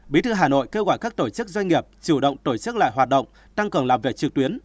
bí thư hà nội kêu gọi các tổ chức doanh nghiệp chủ động tổ chức lại hoạt động tăng cường làm việc trực tuyến